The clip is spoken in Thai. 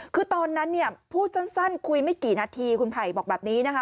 คือตอนนั้นเนี่ยพูดสั้นคุยไม่กี่นาทีคุณไผ่บอกแบบนี้นะคะ